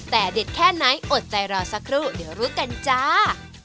แต่เด็ดแค่ไหนอดใจรอสักครู่เดี๋ยวรู้กันจ้า